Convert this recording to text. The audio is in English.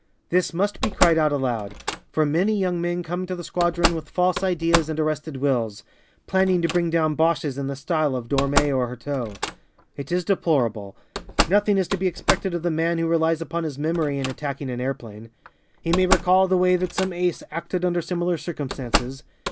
This must be cried out aloud, for many young men come to the squadron with false ideas and arrested wills, planning to bring down Boches in the style of Dormé or Heurteaux. It is deplorable. Nothing is to be expected of the man who relies upon his memory in attacking an airplane. He may recall the way that some Ace acted under similar circumstances.